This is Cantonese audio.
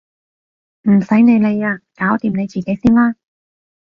唔使你理啊！搞掂你自己先啦！